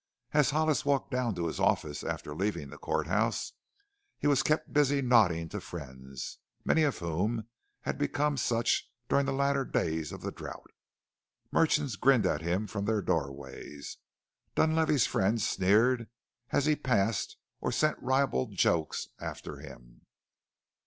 As Hollis walked down to his office after leaving the court house, he was kept busy nodding to friends many of whom had become such during the later days of the drought. Merchants grinned at him from their doorways; Dunlavey's friends sneered as he passed or sent ribald jokes after him.